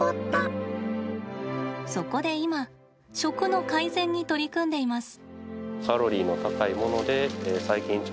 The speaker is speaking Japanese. そこで今食の改善に取り組んでいます。